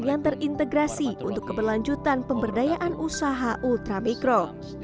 yang terintegrasi untuk keberlanjutan pemberdayaan usaha ultramikro